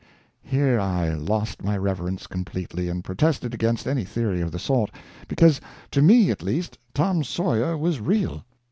Here I lost my reverence completely, and protested against any theory of the sort, because, to me at least, Tom Sawyer was real.